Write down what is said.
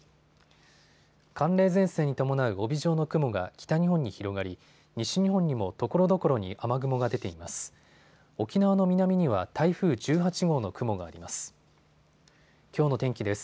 寒冷前線に伴う帯状の雲が北日本に広がり西日本にもところどころに雨雲が出ています。